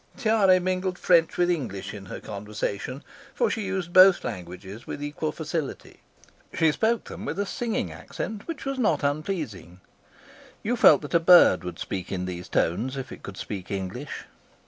'" Tiare mingled French with English in her conversation, for she used both languages with equal facility. She spoke them with a singing accent which was not unpleasing. You felt that a bird would speak in these tones if it could speak English.